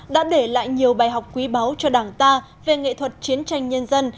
đã để lại nhiều bài học quý báu cho đảng ta về nghệ thuật chiến tranh nhân dân